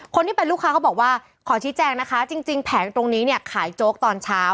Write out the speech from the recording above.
คนที่เป็นลูกค้าเขาบอกว่าขอชี้แจงนะคะจริงแผงตรงนี้เนี่ยขายโจ๊กตอนเช้า